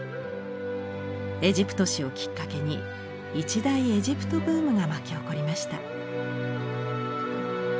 「エジプト誌」をきっかけに一大エジプトブームが巻き起こりました。